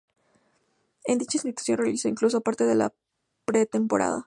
En dicha institución realizó, incluso, parte de la pretemporada.